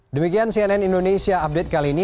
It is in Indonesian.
demikian cnn indonesia update kali ini